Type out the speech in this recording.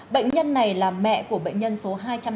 bệnh nhân này là mẹ của bệnh nhân số hai trăm năm mươi